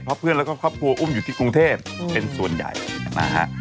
เพราะเพื่อนแล้วก็ครอบครัวอุ้มอยู่ที่กรุงเทพเป็นส่วนใหญ่นะฮะ